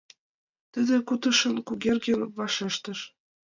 Тиде кутышын Кугергин вашештыш: